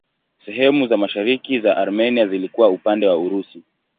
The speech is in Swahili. Sehemu za mashariki za Armenia zilikuwa upande wa Urusi.